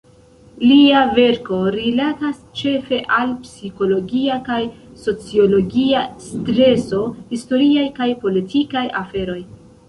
Lia verko rilatas ĉefe al psikologia kaj sociologia streso, historiaj kaj politikaj aferoj.